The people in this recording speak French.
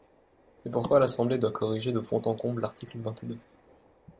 C’est pourquoi l’Assemblée doit corriger de fond en comble l’article vingt-deux.